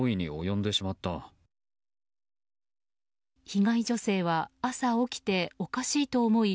被害女性は朝起きておかしいと思い